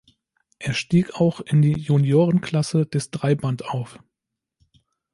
Er stieg auch in die Juniorenklasse des Dreiband auf.